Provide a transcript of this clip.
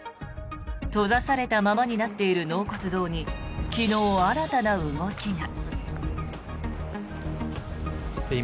閉ざされたままになっている納骨堂に昨日、新たな動きが。